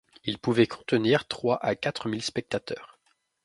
Il pouvait contenir trois à quatre mille spectateurs.